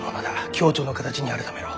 共著の形に改めろ。